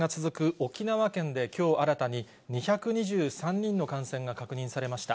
沖縄県で、きょう新たに２２３人の感染が確認されました。